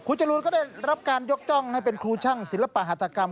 จรูนก็ได้รับการยกจ้องให้เป็นครูช่างศิลปหัตกรรม